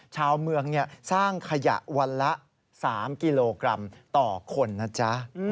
ชาวเมืองสร้างขยะวันละ๓กิโลกรัมต่อคนนะจ๊ะ